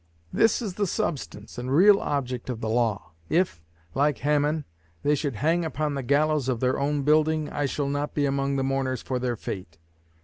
This is the substance and real object of the law. If, like Haman, they should hang upon the gallows of their own building, I shall not be among the mourners for their fate.